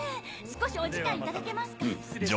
少しお時間頂けますか？